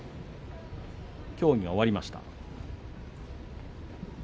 協議終わりました。